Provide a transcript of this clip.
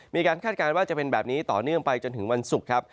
คาดการณ์ว่าจะเป็นแบบนี้ต่อเนื่องไปจนถึงวันศุกร์ครับ